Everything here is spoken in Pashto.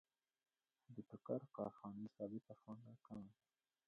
د ټوکر کارخانې ثابته پانګه کمه ده